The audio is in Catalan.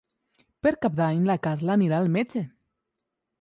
Per Cap d'Any na Carla anirà al metge.